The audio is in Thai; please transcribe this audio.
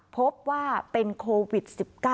พบว่าเป็นโควิด๑๙